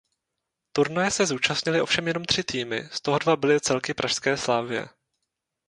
Turnaje se zúčastnily ovšem jenom tři týmy z toho dva byly celky pražské Slavie.